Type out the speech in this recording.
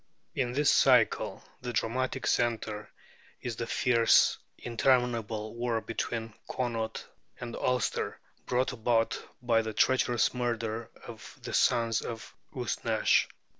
In this cycle the dramatic centre is the fierce interminable war between Connaught and Ulster, brought about by the treacherous murder of the sons of Usnach.